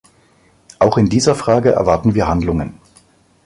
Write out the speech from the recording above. Auch in dieser Frage erwarten wir Handlungen.